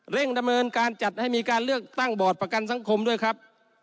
ดำเนินการจัดให้มีการเลือกตั้งบอร์ดประกันสังคมด้วยครับ